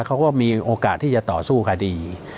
เขาก็มีโอกาสที่จะต่อสู้คดี